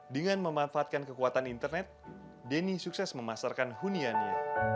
dengan memanfaatkan kekuatan internet denny sukses memasarkan huniannya